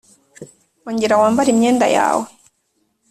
ongera wambare imyenda yawe